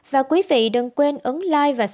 và quý vị đừng quên ứng like và share